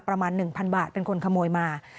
ประมาณ๑๐๐บาทเป็นคนขโมยมา